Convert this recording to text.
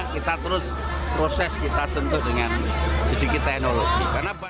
kita terus proses kita sentuh dengan sedikit teknologi